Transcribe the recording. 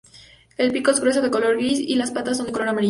El pico es grueso, de color gris, y las patas son de color amarillo.